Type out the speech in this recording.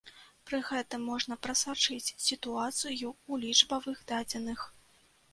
Пры гэтым можна прасачыць сітуацыю ў лічбавых дадзеных.